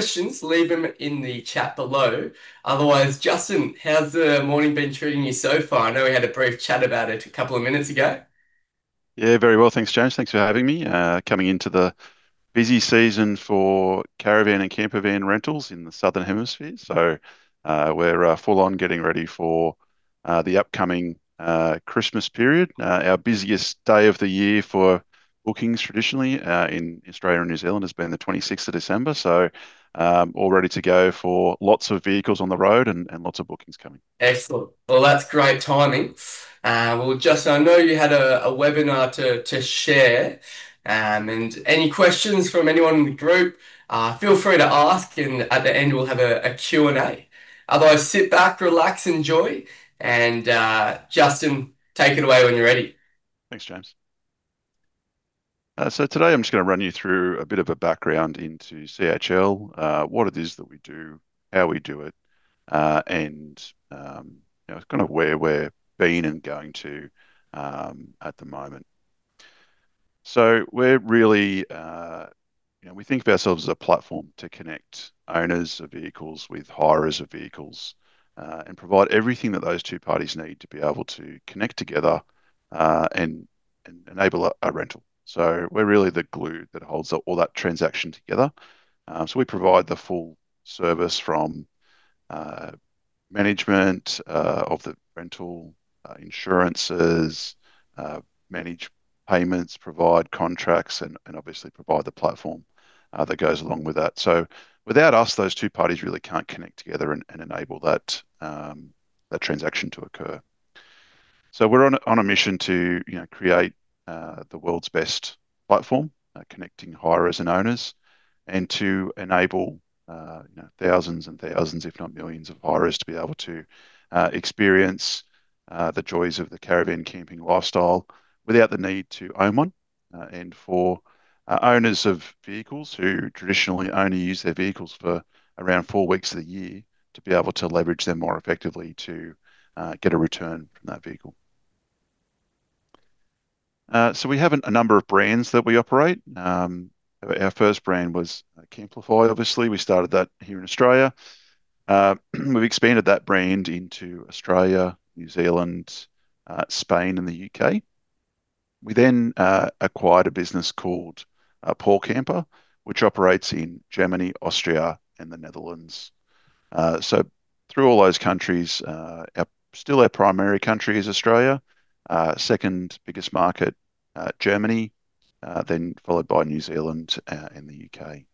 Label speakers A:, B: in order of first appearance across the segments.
A: Questions, leave them in the chat below. Otherwise, Justin, how's the morning been treating you so far? I know we had a brief chat about it a couple of minutes ago.
B: Yeah, very well. Thanks, James. Thanks for having me. Coming into the busy season for caravan and camper van rentals in the Southern Hemisphere. So we're full-on getting ready for the upcoming Christmas period. Our busiest day of the year for bookings traditionally in Australia and New Zealand has been the 26th of December. So all ready to go for lots of vehicles on the road and lots of bookings coming.
A: Excellent. Well, that's great timing. Well, Justin, I know you had a webinar to share. And any questions from anyone in the group, feel free to ask. And at the end, we'll have a Q&A. Otherwise, sit back, relax, enjoy. And Justin, take it away when you're ready.
B: Thanks, James. So today, I'm just going to run you through a bit of a background into CHL, what it is that we do, how we do it, and kind of where we're being and going to at the moment. So we're really, we think of ourselves as a platform to connect owners of vehicles with hires of vehicles and provide everything that those two parties need to be able to connect together and enable a rental. So we're really the glue that holds all that transaction together. So we provide the full service from management of the rental insurances, manage payments, provide contracts, and obviously provide the platform that goes along with that. So without us, those two parties really can't connect together and enable that transaction to occur. We're on a mission to create the world's best platform, connecting hires and owners, and to enable thousands and thousands, if not millions, of hires to be able to experience the joys of the caravan camping lifestyle without the need to own one. And for owners of vehicles who traditionally only use their vehicles for around four weeks of the year, to be able to leverage them more effectively to get a return from that vehicle. We have a number of brands that we operate. Our first brand was Camplify, obviously. We started that here in Australia. We've expanded that brand into Australia, New Zealand, Spain, and the U.K. We then acquired a business called PaulCamper, which operates in Germany, Austria, and the Netherlands. Through all those countries, still our primary country is Australia, second biggest market, Germany, then followed by New Zealand and the U.K.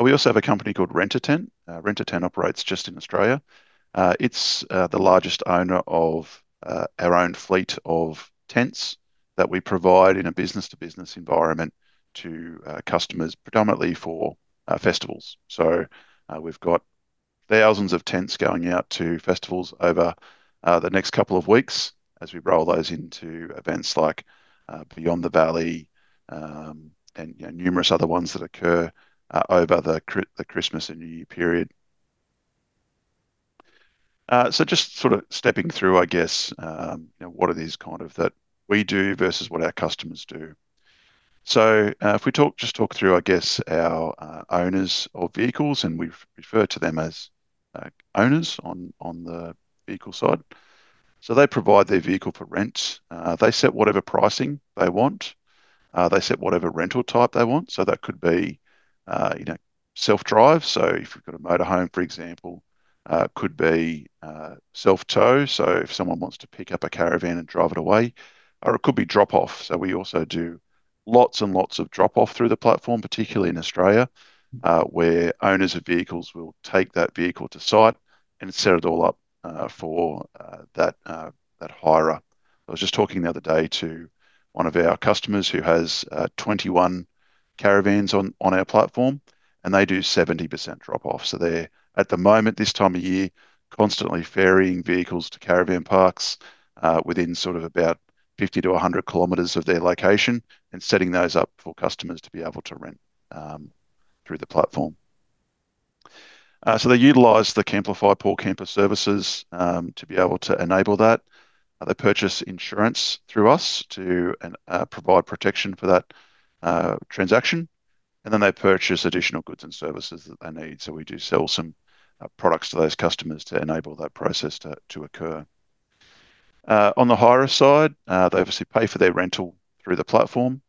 B: We also have a company called Rent A Tent. Rent A Tent operates just in Australia. It's the largest owner of our own fleet of tents that we provide in a business-to-business environment to customers, predominantly for festivals. So we've got thousands of tents going out to festivals over the next couple of weeks as we roll those into events like Beyond the Valley and numerous other ones that occur over the Christmas and New Year period. So just sort of stepping through, I guess, what it is kind of that we do versus what our customers do. So if we just talk through, I guess, our owners of vehicles, and we refer to them as owners on the vehicle side. So they provide their vehicle for rent. They set whatever pricing they want. They set whatever rental type they want. So that could be self-drive. If we've got a motorhome, for example, it could be self-tow. If someone wants to pick up a caravan and drive it away, or it could be drop-off. We also do lots and lots of drop-off through the platform, particularly in Australia, where owners of vehicles will take that vehicle to site and set it all up for that hire. I was just talking the other day to one of our customers who has 21 caravans on our platform, and they do 70% drop-off. They're at the moment this time of year constantly ferrying vehicles to caravan parks within sort of about 50-100 km of their location and setting those up for customers to be able to rent through the platform. They utilize the Camplify PaulCamper services to be able to enable that. They purchase insurance through us to provide protection for that transaction. And then they purchase additional goods and services that they need. So we do sell some products to those customers to enable that process to occur. On the hire side, they obviously pay for their rental through the platform.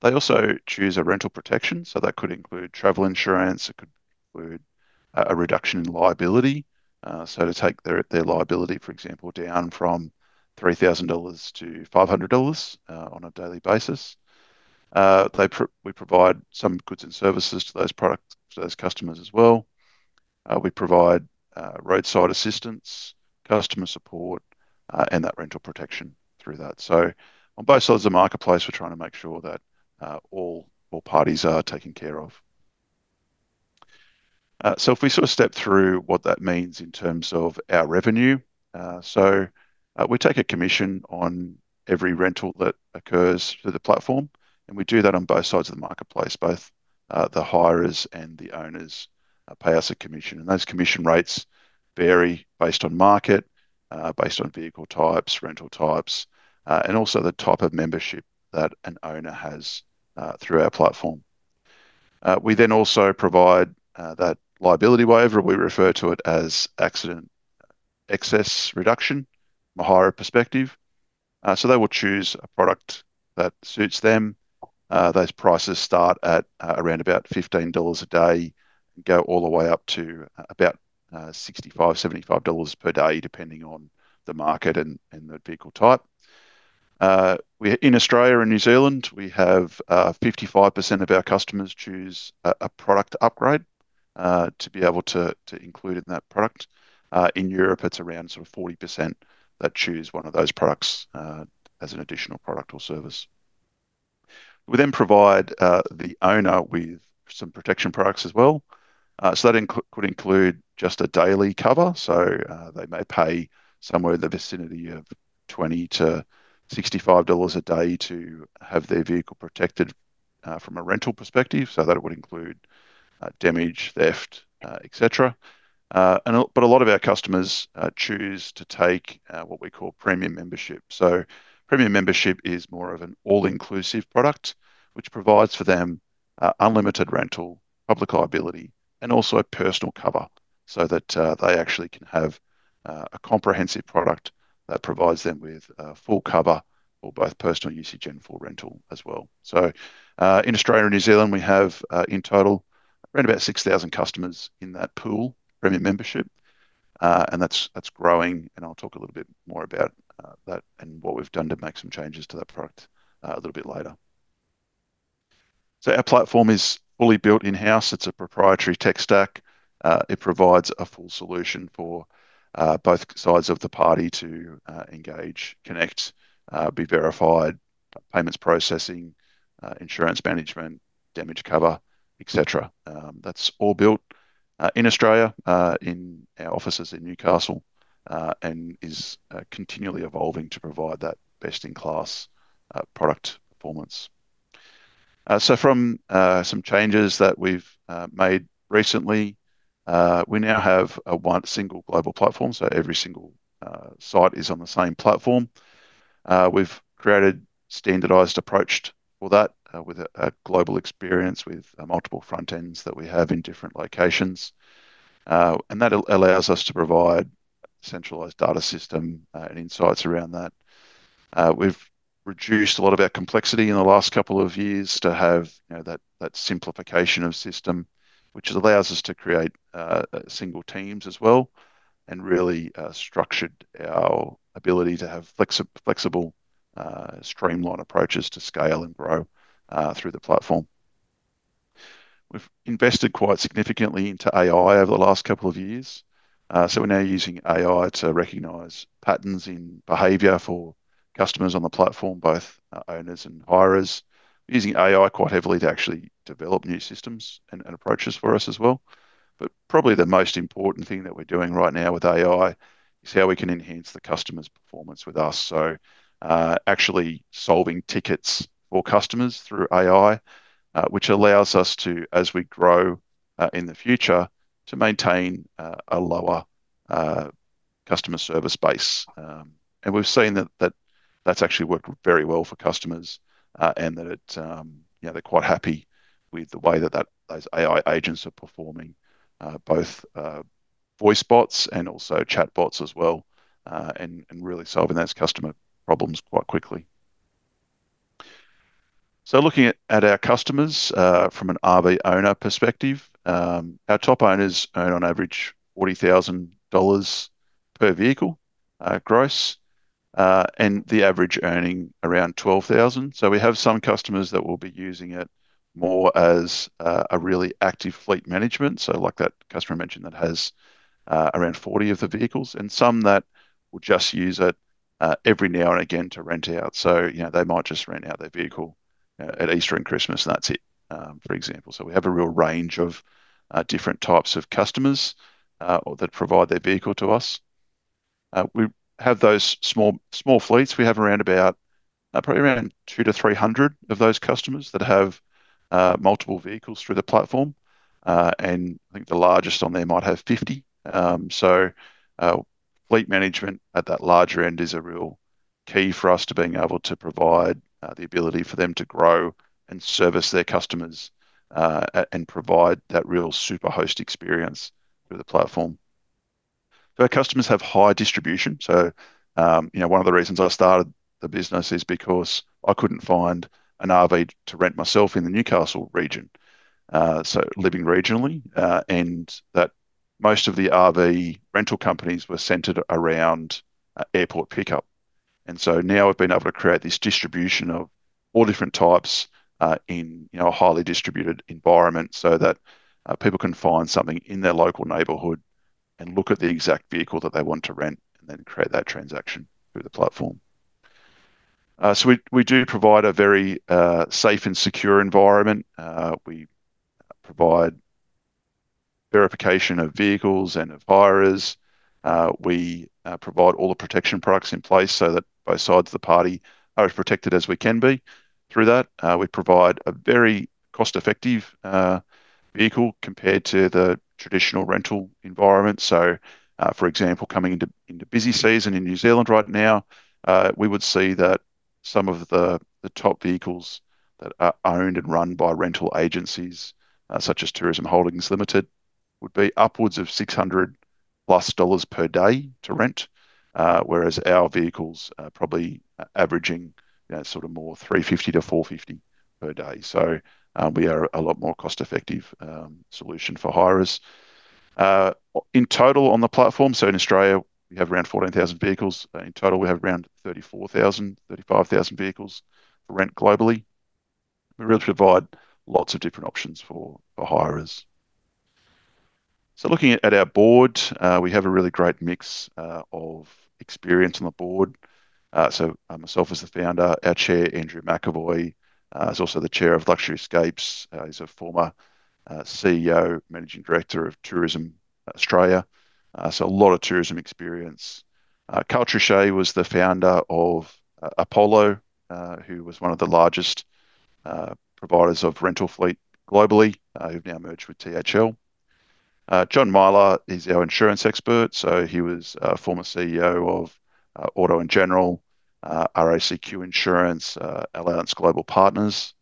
B: They also choose a rental protection. So that could include travel insurance. It could include a reduction in liability. So to take their liability, for example, down from 3,000 dollars to 500 dollars on a daily basis. We provide some goods and services to those customers as well. We provide roadside assistance, customer support, and that rental protection through that. So on both sides of the marketplace, we're trying to make sure that all parties are taken care of. So if we sort of step through what that means in terms of our revenue. We take a commission on every rental that occurs through the platform. We do that on both sides of the marketplace. Both the hirers and the owners pay us a commission. Those commission rates vary based on market, based on vehicle types, rental types, and also the type of membership that an owner has through our platform. We then also provide that liability waiver. We refer to it as accident excess reduction, from a hirer perspective. They will choose a product that suits them. Those prices start at around about 15 dollars a day and go all the way up to about 65-75 dollars per day, depending on the market and the vehicle type. In Australia and New Zealand, we have 55% of our customers choose a product upgrade to be able to include in that product. In Europe, it's around sort of 40% that choose one of those products as an additional product or service. We then provide the owner with some protection products as well. So that could include just a daily cover. So they may pay somewhere in the vicinity of 20-65 dollars a day to have their vehicle protected from a rental perspective. So that would include damage, theft, etc. But a lot of our customers choose to take what we call Premium Membership. So Premium Membership is more of an all-inclusive product, which provides for them unlimited rental, public liability, and also personal cover so that they actually can have a comprehensive product that provides them with full cover for both personal usage and for rental as well. So in Australia and New Zealand, we have in total around about 6,000 customers in that pool, Premium Membership. And that's growing. I'll talk a little bit more about that and what we've done to make some changes to that product a little bit later. Our platform is fully built in-house. It's a proprietary tech stack. It provides a full solution for both sides of the party to engage, connect, be verified, payments processing, insurance management, damage cover, etc. That's all built in Australia in our offices in Newcastle and is continually evolving to provide that best-in-class product performance. From some changes that we've made recently, we now have a single global platform. Every single site is on the same platform. We've created standardized approach for that with a global experience with multiple front ends that we have in different locations. That allows us to provide a centralized data system and insights around that. We've reduced a lot of our complexity in the last couple of years to have that simplification of system, which allows us to create single teams as well and really structured our ability to have flexible, streamlined approaches to scale and grow through the platform. We've invested quite significantly into AI over the last couple of years. So we're now using AI to recognize patterns in behavior for customers on the platform, both owners and hirers. We're using AI quite heavily to actually develop new systems and approaches for us as well. But probably the most important thing that we're doing right now with AI is how we can enhance the customer's performance with us. So actually solving tickets for customers through AI, which allows us to, as we grow in the future, to maintain a lower customer service base. We've seen that that's actually worked very well for customers and that they're quite happy with the way that those AI agents are performing, both voice bots and also chat bots as well, and really solving those customer problems quite quickly. Looking at our customers from an RV owner perspective, our top owners earn on average 40,000 dollars per vehicle gross, and the average earning around 12,000. We have some customers that will be using it more as a really active fleet management. Like that customer mentioned that has around 40 of the vehicles and some that will just use it every now and again to rent out. They might just rent out their vehicle at Easter and Christmas, and that's it, for example. We have a real range of different types of customers that provide their vehicle to us. We have those small fleets. We have around about probably around 200-300 of those customers that have multiple vehicles through the platform. And I think the largest on there might have 50. So fleet management at that larger end is a real key for us to being able to provide the ability for them to grow and service their customers and provide that real super host experience through the platform. So our customers have high distribution. So one of the reasons I started the business is because I couldn't find an RV to rent myself in the Newcastle region, so living regionally, and that most of the RV rental companies were centered around airport pickup. And so now we've been able to create this distribution of all different types in a highly distributed environment so that people can find something in their local neighborhood and look at the exact vehicle that they want to rent and then create that transaction through the platform. So we do provide a very safe and secure environment. We provide verification of vehicles and of hirers. We provide all the protection products in place so that both sides of the party are as protected as we can be through that. We provide a very cost-effective vehicle compared to the traditional rental environment. So for example, coming into busy season in New Zealand right now, we would see that some of the top vehicles that are owned and run by rental agencies, such as Tourism Holdings Limited, would be upwards of $600 plus per day to rent, whereas our vehicles are probably averaging sort of more $350-$450 per day. So we are a lot more cost-effective solution for hirers. In total on the platform, so in Australia, we have around 14,000 vehicles. In total, we have around 34,000, 35,000 vehicles for rent globally. We really provide lots of different options for hirers. So looking at our board, we have a really great mix of experience on the board. So myself as the founder, our chair, Andrew McEvoy, is also the chair of Luxury Escapes. He's a former CEO, Managing Director of Tourism Australia. So a lot of tourism experience. Trouchet was the founder of Apollo Tourism & Leisure, who was one of the largest providers of rental fleet globally, who've now merged with THL. John Myler is our insurance expert. So he was a former CEO of Auto & General, RACQ Insurance, Allianz Global Assistance.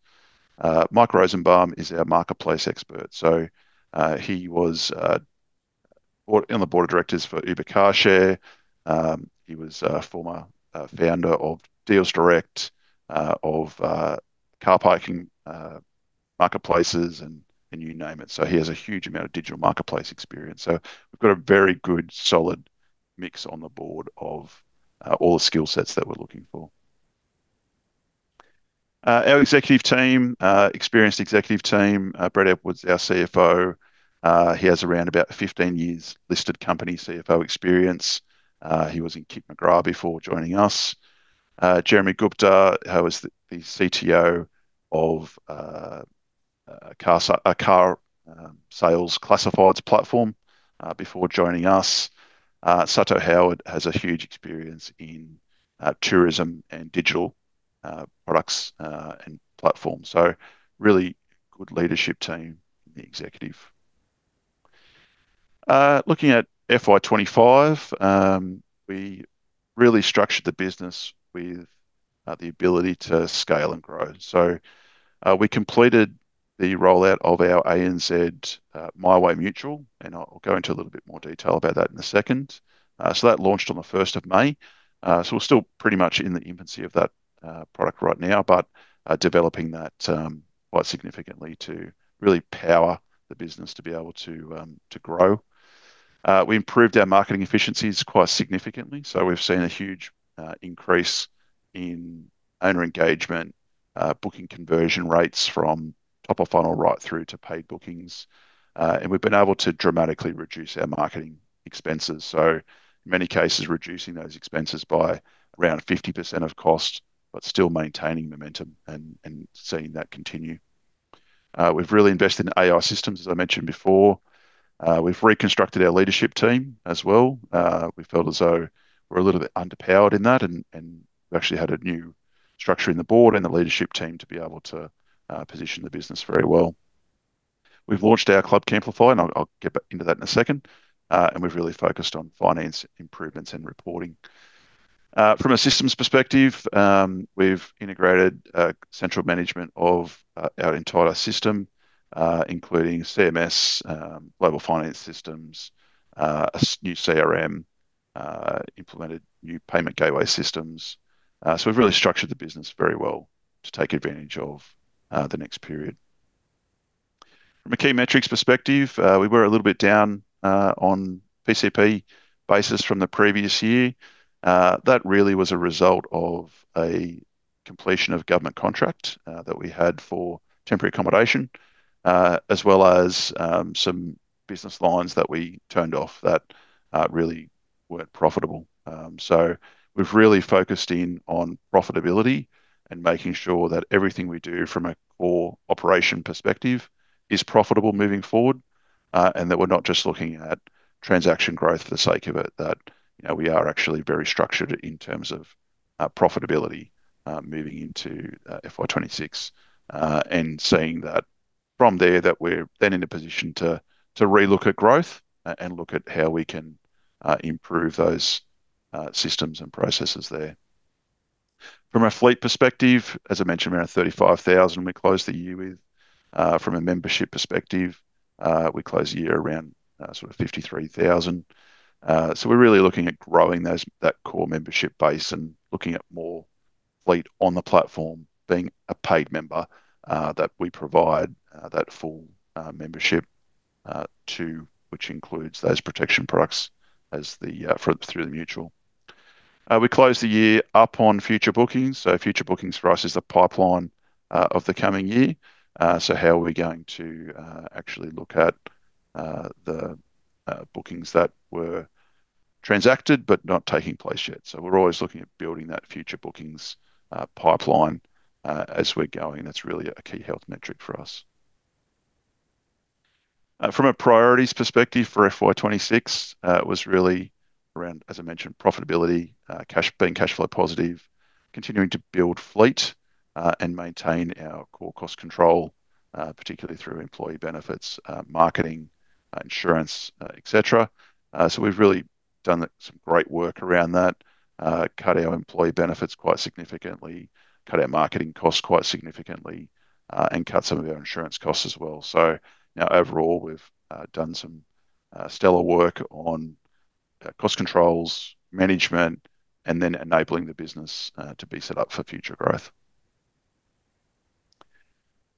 B: Mike Rosenbaum is our marketplace expert. So he was on the board of directors for Uber Carshare. He was a former founder of DealsDirect, of Carsales, and you name it. So he has a huge amount of digital marketplace experience. So we've got a very good solid mix on the board of all the skill sets that we're looking for. Our executive team, experienced executive team, Brad Edwards, our CFO. He has around about 15 years listed company CFO experience. He was at KPMG before joining us. Jeremy Gupta, who is the CTO of carsales.com classifieds platform before joining us. Sato Howard has a huge experience in tourism and digital products and platforms. So really good leadership team in the executive. Looking at FY25, we really structured the business with the ability to scale and grow. So we completed the rollout of our ANZ MyWay Mutual, and I'll go into a little bit more detail about that in a second. So that launched on the 1st of May. So we're still pretty much in the infancy of that product right now, but developing that quite significantly to really power the business to be able to grow. We improved our marketing efficiencies quite significantly. So we've seen a huge increase in owner engagement, booking conversion rates from top of funnel right through to paid bookings. And we've been able to dramatically reduce our marketing expenses. So in many cases, reducing those expenses by around 50% of cost, but still maintaining momentum and seeing that continue. We've really invested in AI systems, as I mentioned before. We've reconstructed our leadership team as well. We felt as though we're a little bit underpowered in that, and we actually had a new structure in the board and the leadership team to be able to position the business very well. We've launched our Club Camplify, and I'll get into that in a second. And we've really focused on finance improvements and reporting. From a systems perspective, we've integrated central management of our entire system, including CMS, Global Finance Systems, a new CRM, implemented new payment gateway systems. So we've really structured the business very well to take advantage of the next period. From a key metrics perspective, we were a little bit down on PCP basis from the previous year. That really was a result of a completion of government contract that we had for temporary accommodation, as well as some business lines that we turned off that really weren't profitable. So we've really focused in on profitability and making sure that everything we do from a core operation perspective is profitable moving forward, and that we're not just looking at transaction growth for the sake of it, that we are actually very structured in terms of profitability moving into FY26 and seeing that from there that we're then in a position to relook at growth and look at how we can improve those systems and processes there. From a fleet perspective, as I mentioned, we're around 35,000 when we closed the year with. From a membership perspective, we closed the year around sort of 53,000. So we're really looking at growing that core membership base and looking at more fleet on the platform being a paid member that we provide that full membership to, which includes those protection products through the mutual. We closed the year up on future bookings. So future bookings for us is the pipeline of the coming year. So how are we going to actually look at the bookings that were transacted but not taking place yet? So we're always looking at building that future bookings pipeline as we're going. That's really a key health metric for us. From a priorities perspective for FY26, it was really around, as I mentioned, profitability, being cash flow positive, continuing to build fleet and maintain our core cost control, particularly through employee benefits, marketing, insurance, etc. So we've really done some great work around that, cut our employee benefits quite significantly, cut our marketing costs quite significantly, and cut some of our insurance costs as well. So now overall, we've done some stellar work on cost controls, management, and then enabling the business to be set up for future growth.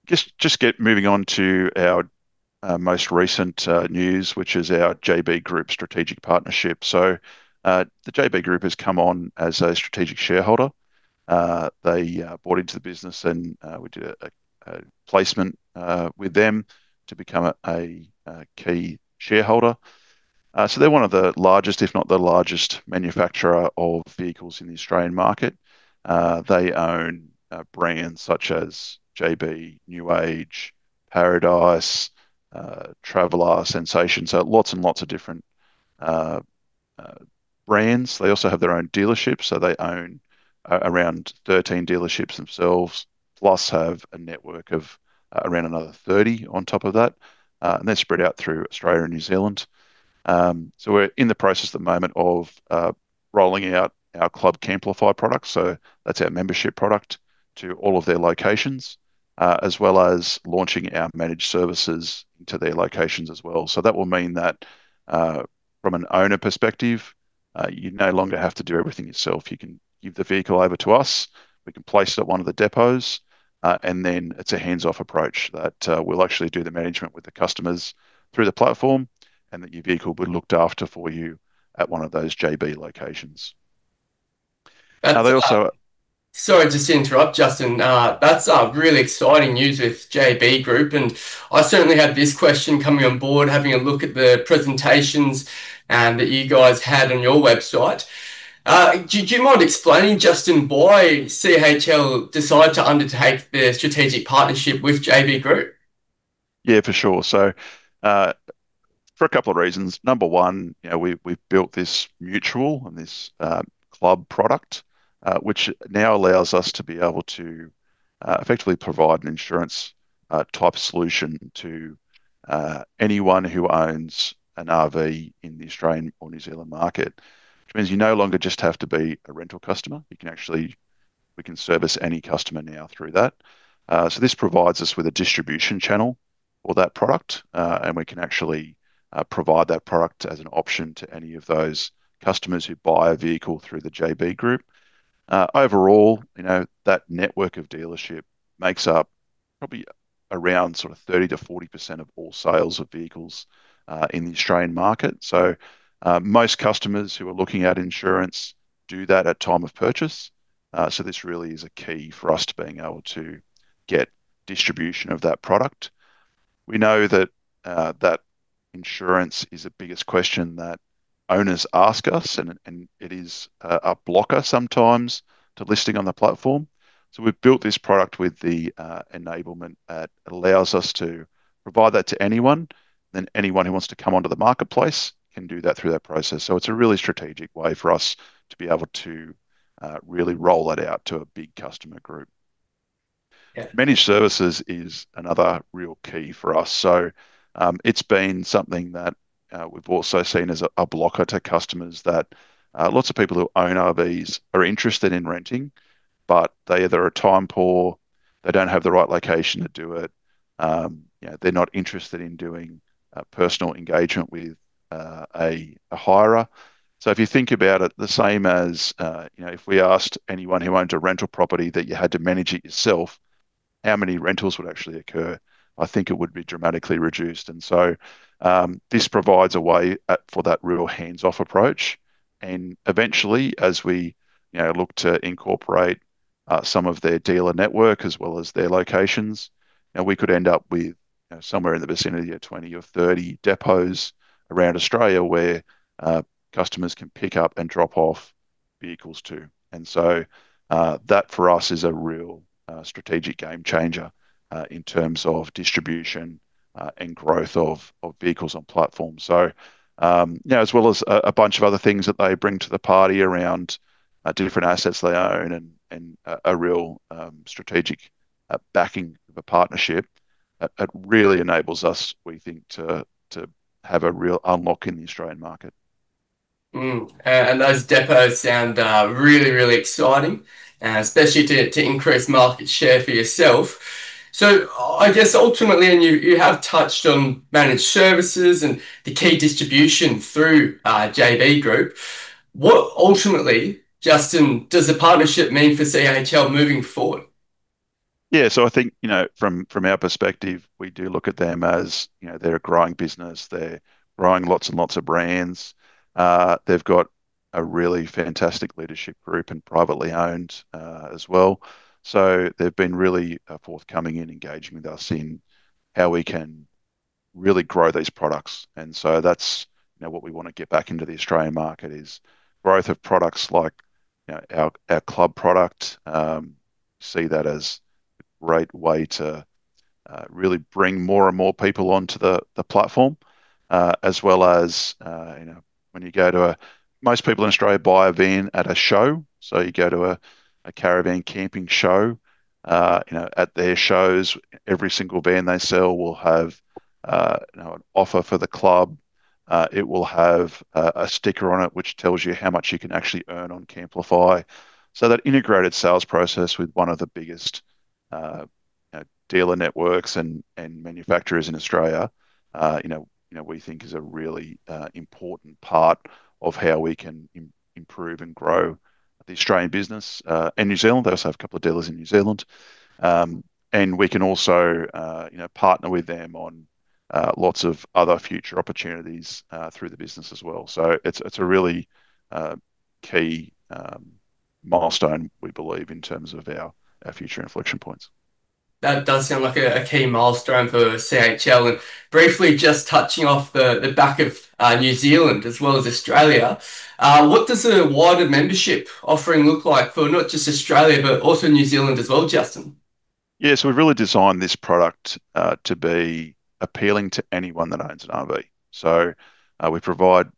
B: Just moving on to our most recent news, which is our JB Group strategic partnership. So the JB Group has come on as a strategic shareholder. They bought into the business, and we did a placement with them to become a key shareholder. So they're one of the largest, if not the largest manufacturer of vehicles in the Australian market. They own brands such as JB, New Age, Paradise, Traveller, Sensation. So lots and lots of different brands. They also have their own dealerships. So they own around 13 dealerships themselves, plus have a network of around another 30 on top of that. And they're spread out through Australia and New Zealand. So we're in the process at the moment of rolling out our Club Camplify product. So that's our membership product to all of their locations, as well as launching our Managed Services into their locations as well. So that will mean that from an owner perspective, you no longer have to do everything yourself. You can give the vehicle over to us. We can place it at one of the depots, and then it's a hands-off approach that we'll actually do the management with the customers through the platform, and that your vehicle will be looked after for you at one of those JB locations. Now, they also.
A: Sorry to interrupt, Justin. That's really exciting news with JB Group. And I certainly had this question coming on board, having a look at the presentations that you guys had on your website. Do you mind explaining, Justin, why CHL decided to undertake the strategic partnership with JB Group?
B: Yeah, for sure. So for a couple of reasons. Number one, we've built this mutual and this club product, which now allows us to be able to effectively provide an insurance-type solution to anyone who owns an RV in the Australian or New Zealand market, which means you no longer just have to be a rental customer. We can service any customer now through that. So this provides us with a distribution channel for that product, and we can actually provide that product as an option to any of those customers who buy a vehicle through the JB Group. Overall, that network of dealerships makes up probably around sort of 30%-40% of all sales of vehicles in the Australian market. So most customers who are looking at insurance do that at time of purchase. So this really is a key for us to being able to get distribution of that product. We know that insurance is the biggest question that owners ask us, and it is a blocker sometimes to listing on the platform. So we've built this product with the enablement that allows us to provide that to anyone. Then anyone who wants to come onto the marketplace can do that through that process. So it's a really strategic way for us to be able to really roll that out to a big customer group. Managed Services is another real key for us. So it's been something that we've also seen as a blocker to customers that lots of people who own RVs are interested in renting, but they either are time poor, they don't have the right location to do it, they're not interested in doing personal engagement with a hirer. So if you think about it, the same as if we asked anyone who owned a rental property that you had to manage it yourself, how many rentals would actually occur? I think it would be dramatically reduced. And so this provides a way for that real hands-off approach. And eventually, as we look to incorporate some of their dealer network as well as their locations, we could end up with somewhere in the vicinity of 20 or 30 depots around Australia where customers can pick up and drop off vehicles to. And so that for us is a real strategic game changer in terms of distribution and growth of vehicles on platforms. So as well as a bunch of other things that they bring to the party around different assets they own and a real strategic backing of a partnership, it really enables us, we think, to have a real unlock in the Australian market.
A: And those depots sound really, really exciting, especially to increase market share for yourself. So I guess ultimately, and you have touched on managed services and the key distribution through JB Group, what ultimately, Justin, does the partnership mean for CHL moving forward?
B: Yeah. So I think from our perspective, we do look at them as they're a growing business. They're growing lots and lots of brands. They've got a really fantastic leadership group and privately owned as well. So they've been really forthcoming in engaging with us in how we can really grow these products. And so that's what we want to get back into the Australian market is growth of products like our club product. We see that as a great way to really bring more and more people onto the platform, as well as, most people in Australia buy a van at a show. So you go to a caravan camping show at their shows, every single van they sell will have an offer for the club. It will have a sticker on it which tells you how much you can actually earn on Camplify. So that integrated sales process with one of the biggest dealer networks and manufacturers in Australia, we think, is a really important part of how we can improve and grow the Australian business. And New Zealand, they also have a couple of dealers in New Zealand. And we can also partner with them on lots of other future opportunities through the business as well. So it's a really key milestone, we believe, in terms of our future inflection points.
A: That does sound like a key milestone for CHL. And briefly, just touching off the back of New Zealand as well as Australia, what does the wider membership offering look like for not just Australia, but also New Zealand as well, Justin?
B: Yeah. So we've really designed this product to be appealing to anyone that owns an RV. So we provide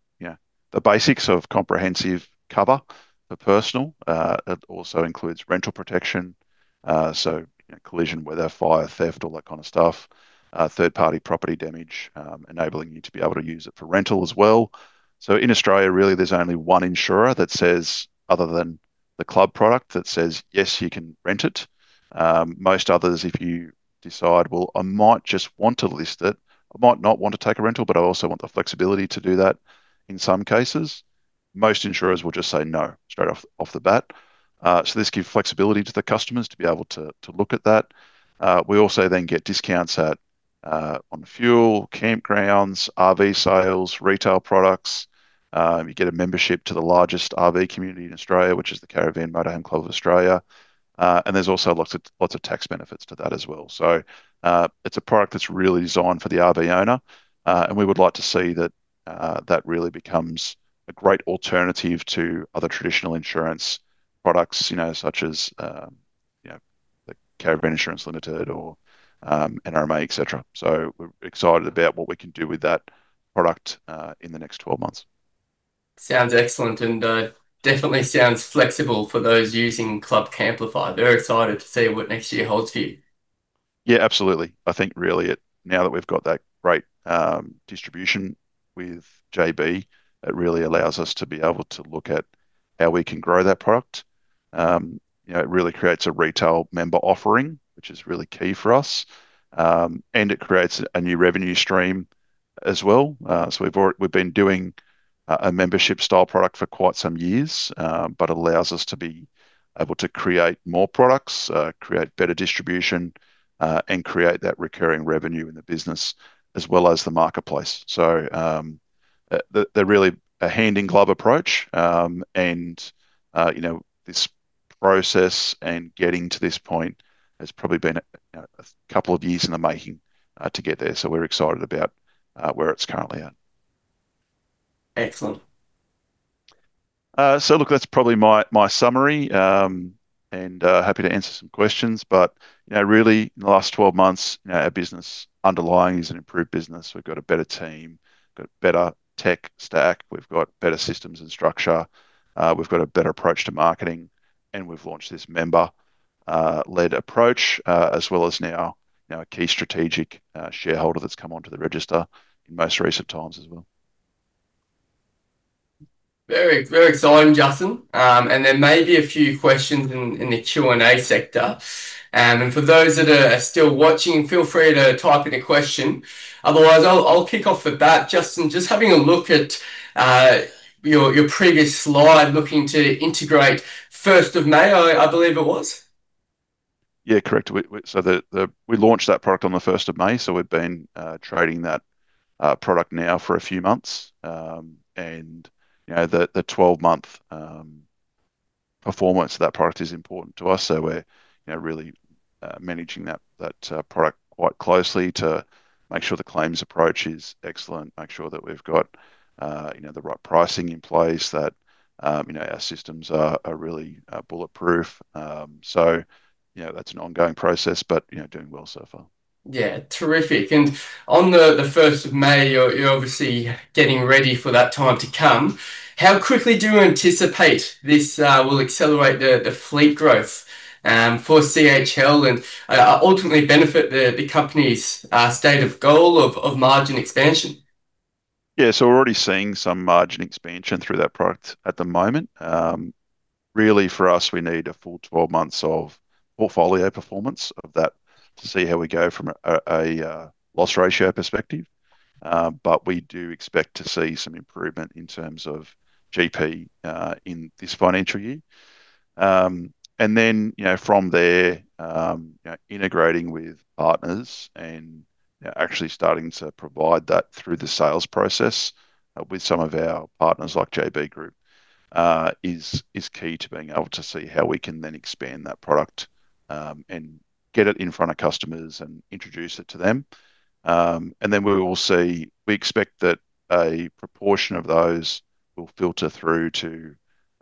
B: the basics of comprehensive cover for personal. It also includes rental protection, so collision, weather, fire, theft, all that kind of stuff, third-party property damage, enabling you to be able to use it for rental as well. So in Australia, really, there's only one insurer that says, other than the club product, that says, "Yes, you can rent it." Most others, if you decide, "Well, I might just want to list it. I might not want to take a rental, but I also want the flexibility to do that in some cases," most insurers will just say no straight off the bat. So this gives flexibility to the customers to be able to look at that. We also then get discounts on fuel, campgrounds, RV sales, retail products. You get a membership to the largest RV community in Australia, which is the Caravan and Motorhome Club of Australia. And there's also lots of tax benefits to that as well. So it's a product that's really designed for the RV owner. And we would like to see that that really becomes a great alternative to other traditional insurance products, such as CIL Insurance or NRMA, etc. So we're excited about what we can do with that product in the next 12 months.
A: Sounds excellent. And definitely sounds flexible for those using Club Camplify. Very excited to see what next year holds for you.
B: Yeah, absolutely. I think really now that we've got that great distribution with JB, it really allows us to be able to look at how we can grow that product. It really creates a retail member offering, which is really key for us. And it creates a new revenue stream as well. So we've been doing a membership-style product for quite some years, but it allows us to be able to create more products, create better distribution, and create that recurring revenue in the business as well as the marketplace. So they're really a hand-in-glove approach. And this process and getting to this point has probably been a couple of years in the making to get there. So we're excited about where it's currently at. Excellent. So look, that's probably my summary. And happy to answer some questions. But really, in the last 12 months, our business underlying is an improved business. We've got a better team. We've got a better tech stack. We've got better systems and structure. We've got a better approach to marketing. And we've launched this member-led approach, as well as now a key strategic shareholder that's come onto the register in most recent times as well.
A: Very exciting, Justin. And then maybe a few questions in the Q&A sector. And for those that are still watching, feel free to type in a question. Otherwise, I'll kick off with that. Justin, just having a look at your previous slide, looking to integrate 1st of May, I believe it was.
B: Yeah, correct. So we launched that product on the 1st of May. So we've been trading that product now for a few months. And the 12-month performance of that product is important to us. So we're really managing that product quite closely to make sure the claims approach is excellent, make sure that we've got the right pricing in place, that our systems are really bulletproof. So that's an ongoing process, but doing well so far.
A: Yeah, terrific. And on the 1st of May, you're obviously getting ready for that time to come. How quickly do you anticipate this will accelerate the fleet growth for CHL and ultimately benefit the company's state of goal of margin expansion?
B: Yeah. So we're already seeing some margin expansion through that product at the moment. Really, for us, we need a full 12 months of portfolio performance of that to see how we go from a loss ratio perspective. But we do expect to see some improvement in terms of GP in this financial year. And then from there, integrating with partners and actually starting to provide that through the sales process with some of our partners like JB Group is key to being able to see how we can then expand that product and get it in front of customers and introduce it to them. And then we will see. We expect that a proportion of those will filter through to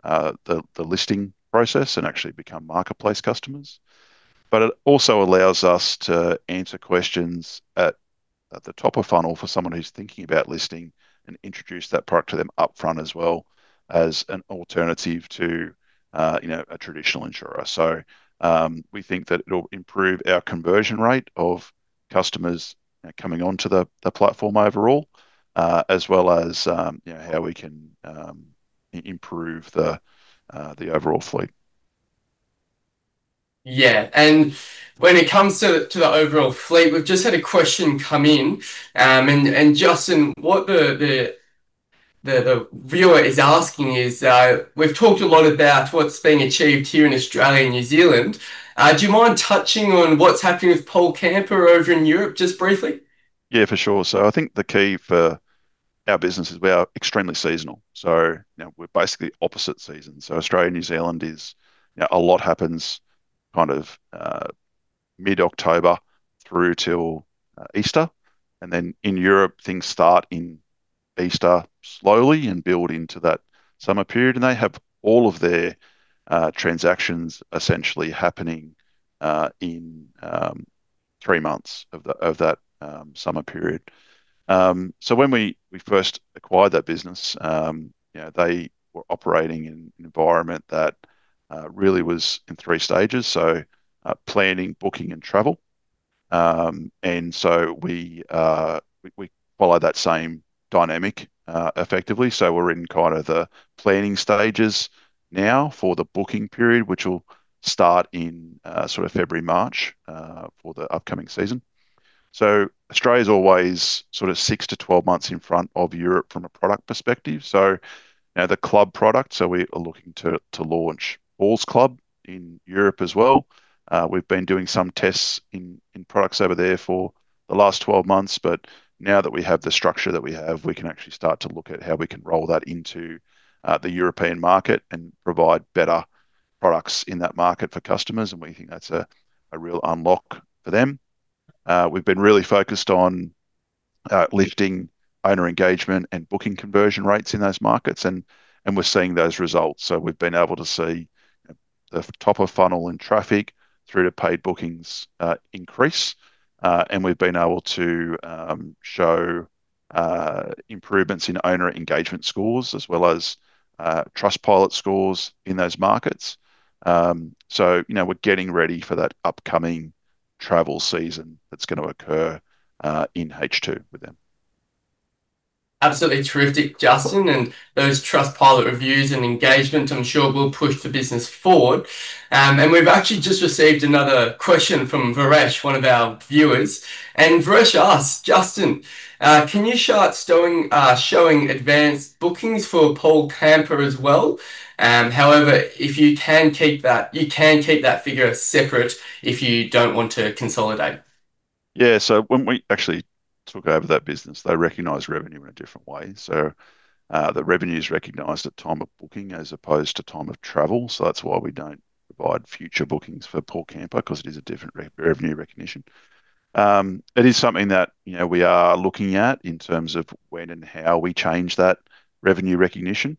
B: the listing process and actually become marketplace customers. But it also allows us to answer questions at the top of funnel for someone who's thinking about listing and introduce that product to them upfront as well as an alternative to a traditional insurer. So we think that it'll improve our conversion rate of customers coming onto the platform overall, as well as how we can improve the overall fleet.
A: Yeah. And when it comes to the overall fleet, we've just had a question come in. And Justin, what the viewer is asking is we've talked a lot about what's being achieved here in Australia and New Zealand. Do you mind touching on what's happening with PaulCamper over in Europe just briefly?
B: Yeah, for sure. So I think the key for our business is we are extremely seasonal. So we're basically opposite seasons. So Australia, New Zealand, a lot happens kind of mid-October through till Easter. And then in Europe, things start in Easter slowly and build into that summer period. And they have all of their transactions essentially happening in three months of that summer period. So when we first acquired that business, they were operating in an environment that really was in three stages, so planning, booking, and travel. And so we follow that same dynamic effectively. So we're in kind of the planning stages now for the booking period, which will start in sort of February, March for the upcoming season. So Australia is always sort of six to 12 months in front of Europe from a product perspective. So the club product, so we are looking to launch Paul's Club in Europe as well. We've been doing some tests in products over there for the last 12 months. But now that we have the structure that we have, we can actually start to look at how we can roll that into the European market and provide better products in that market for customers. And we think that's a real unlock for them. We've been really focused on lifting owner engagement and booking conversion rates in those markets. And we're seeing those results. So we've been able to see the top of funnel and traffic through to paid bookings increase. And we've been able to show improvements in owner engagement scores as well as Trustpilot scores in those markets. So we're getting ready for that upcoming travel season that's going to occur in H2 with them.
A: Absolutely terrific, Justin. And those Trustpilot reviews and engagement, I'm sure will push the business forward. And we've actually just received another question from Varesh, one of our viewers. And Varesh asked, "Justin, can you start showing advanced bookings for PaulCamper as well? However, if you can keep that, you can keep that figure separate if you don't want to consolidate."
B: Yeah. So when we actually took over that business, they recognize revenue in a different way. So the revenue is recognized at time of booking as opposed to time of travel. So that's why we don't provide future bookings for PaulCamper because it is a different revenue recognition. It is something that we are looking at in terms of when and how we change that revenue recognition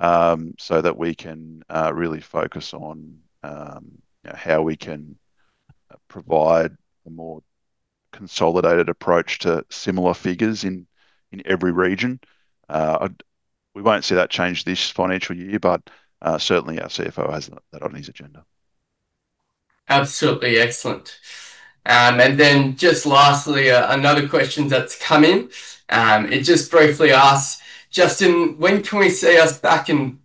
B: so that we can really focus on how we can provide a more consolidated approach to similar figures in every region. We won't see that change this financial year, but certainly our CFO has that on his agenda.
A: Absolutely excellent. And then just lastly, another question that's come in. It just briefly asked, "Justin, when can we see us back in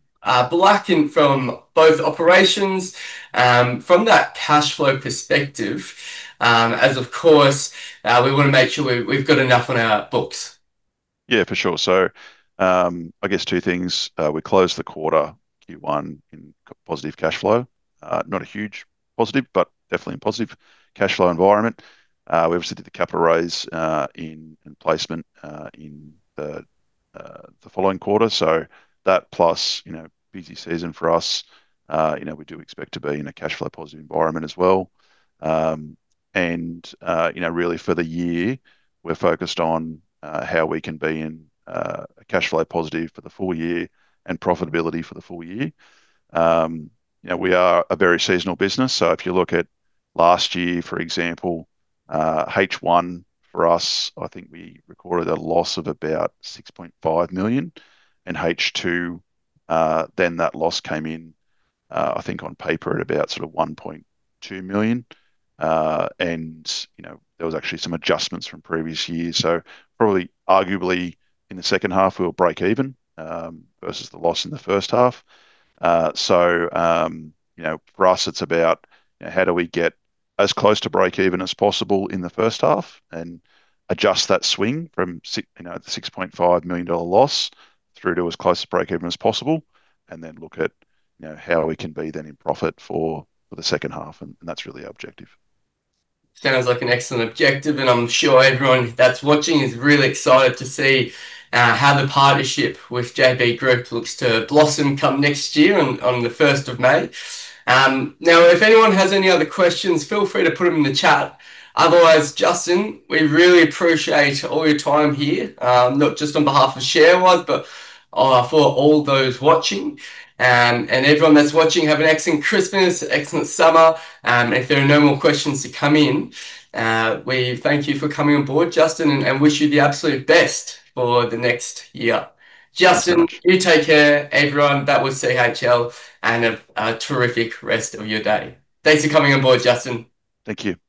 A: black and from both operations from that cash flow perspective?" As, of course, we want to make sure we've got enough on our books.
B: Yeah, for sure. So I guess two things. We closed the quarter Q1 in positive cash flow. Not a huge positive, but definitely in positive cash flow environment. We obviously did the capital raise in placement in the following quarter. So that plus busy season for us. We do expect to be in a cash flow positive environment as well. And really for the year, we're focused on how we can be in a cash flow positive for the full year and profitability for the full year. We are a very seasonal business. So if you look at last year, for example, H1 for us, I think we recorded a loss of about 6.5 million. And H2, then that loss came in, I think on paper, at about sort of 1.2 million. And there was actually some adjustments from previous years. So probably, arguably, in the second half, we'll break even versus the loss in the first half. So for us, it's about how do we get as close to break even as possible in the first half and adjust that swing from the 6.5 million dollar loss through to as close to break even as possible and then look at how we can be then in profit for the second half. And that's really our objective.
A: Sounds like an excellent objective. And I'm sure everyone that's watching is really excited to see how the partnership with JB Group looks to blossom come next year on the 1st of May. Now, if anyone has any other questions, feel free to put them in the chat. Otherwise, Justin, we really appreciate all your time here, not just on behalf of ShareWise, but for all those watching. And everyone that's watching, have an excellent Christmas, excellent summer. If there are no more questions to come in, we thank you for coming on board, Justin, and wish you the absolute best for the next year. Justin, you take care, everyone. That was CHL. Have a terrific rest of your day. Thanks for coming on board, Justin.
B: Thank you.
A: Bye.